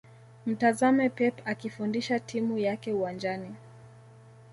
mtazame Pep akifundisha timu yake uwanjani